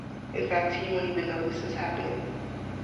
In fact, he won't even know this is happening.